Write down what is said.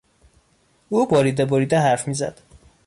او بریده بریده حرف میزد.